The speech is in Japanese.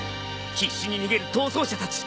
必死に逃げる逃走者たち。